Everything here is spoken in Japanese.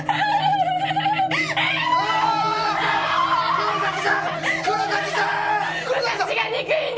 黒崎さん！！